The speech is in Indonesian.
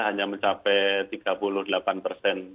hanya mencapai tiga puluh delapan persen